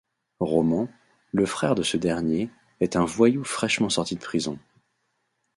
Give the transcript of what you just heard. Roman, le frère de ce dernier, est un voyou fraîchement sorti de prison.